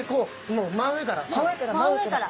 もう真上から。